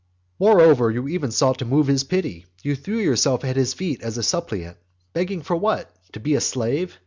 Moreover, you even sought to move his pity; you threw yourself at his feet as a suppliant; begging for what? to be a slave?